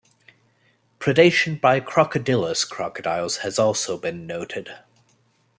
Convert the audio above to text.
Predation by "Crocodylus" crocodiles has also been noted.